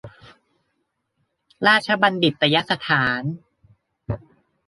ราชบัญฑิตยสถาน